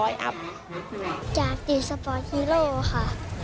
จากตีสปอร์ตฮีโร่ค่ะ